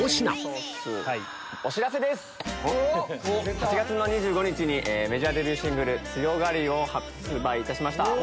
８月２５日にメジャーデビューシングル『つよがり』を発売いたしました。